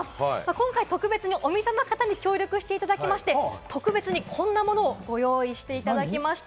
今回特別にお店の方に協力していただきまして、特別に、こんなものをご用意していただきました。